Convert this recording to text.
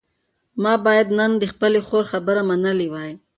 ما باید نن د خپلې خور خبره منلې وای.